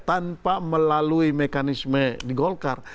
tanpa melalui mekanisme di golkar